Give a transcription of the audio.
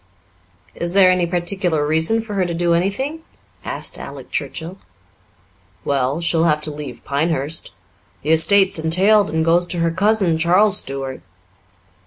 "Is there any particular reason for her to do anything?" asked Alec Churchill. "Well, she'll have to leave Pinehurst. The estate's entailed and goes to her cousin, Charles Stuart."